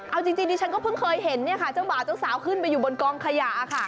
เอาจริงดิฉันก็เพิ่งเคยเห็นเจ้าบ่าวเจ้าสาวขึ้นไปอยู่บนกองขยะค่ะ